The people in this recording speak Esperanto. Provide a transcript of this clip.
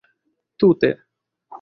tute